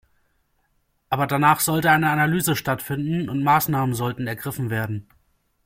Aber danach sollte eine Analyse stattfinden, und Maßnahmen sollten ergriffen werden.